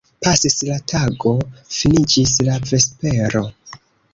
Pasis la tago, finiĝis la vespero.